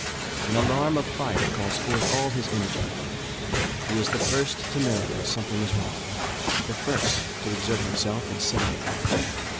An alarm of fire calls forth all his energy. He is the first to know that something is wrong the first to exert himself in setting it right.